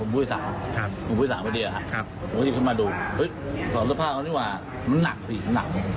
ผมพูดสามวันเดียวครับผมก็ยิ่งเข้ามาดูเฮ้ยสอบสภาพเขานี่หว่ามันหนักพี่มันหนัก